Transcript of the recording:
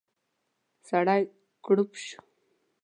سړی کړپ شو.